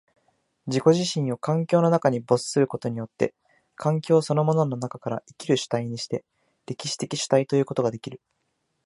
自己自身を環境の中に没することによって、環境そのものの中から生きる主体にして、歴史的主体ということができる。